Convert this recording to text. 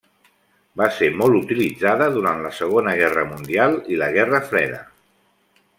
Va ser molt utilitzada durant la Segona Guerra Mundial i la Guerra Freda.